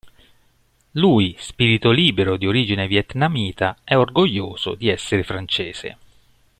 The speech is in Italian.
Lui, spirito libero di origine vietnamita, è orgoglioso di essere francese.